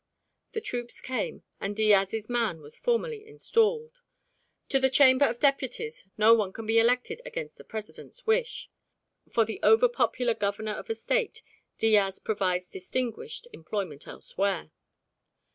The troops came, and Diaz's man was formally installed. To the Chamber of Deputies no one can be elected against the President's wish. For the over popular Governor of a State Diaz provides distinguished employment elsewhere.